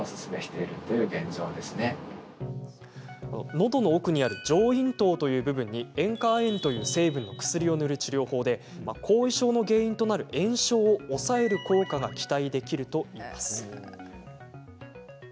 のどの奥にある上咽頭という部分に塩化亜鉛という成分の薬を塗る治療法で後遺症の原因となる炎症を抑える効果が期待できるといいます。